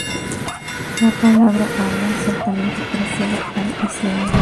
La palabra Alá ciertamente precede al Islam.